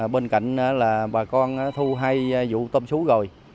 bên cạnh là bà con thu hai vụ tôm xú rồi